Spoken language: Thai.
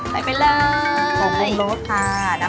ใส่ไปเลย